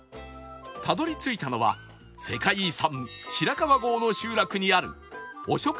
たどり着いたのは世界遺産白川郷の集落にある